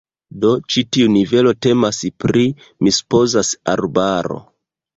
Do ĉi tiu nivelo temas pri, mi supozas, arbaro.